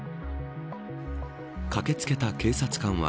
駆け付けた警察官は